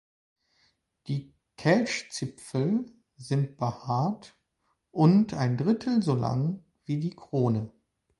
Die Kelchzipfel sind behaart und ein Drittel so lang wie die Krone.